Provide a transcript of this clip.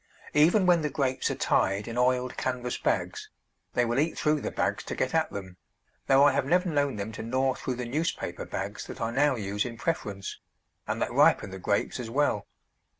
Even when the Grapes are tied in oiled canvas bags they will eat through the bags to get at them, though I have never known them to gnaw through the newspaper bags that I now use in preference, and that ripen the Grapes as well.